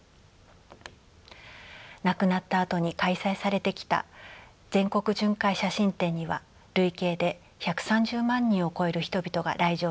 亡くなったあとに開催されてきた全国巡回写真展には累計で１３０万人を超える人々が来場しています。